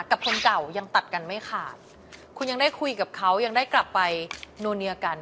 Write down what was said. กับคนเก่ายังตัดกันไม่ขาดคุณยังได้คุยกับเขายังได้กลับไปนัวเนียกัน